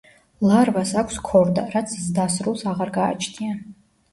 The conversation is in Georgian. ლარვას აქვს ქორდა, რაც ზრდასრულს აღარ გააჩნია.